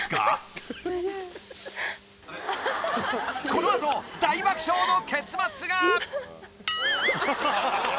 ［この後大爆笑の結末が］